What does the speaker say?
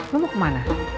lu mau kemana